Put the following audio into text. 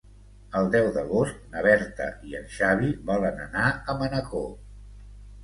El deu d'agost na Berta i en Xavi volen anar a Manacor.